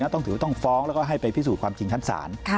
ต้องถือว่าต้องฟ้องแล้วก็ให้ไปพิสูจน์ความจริงชั้นศาล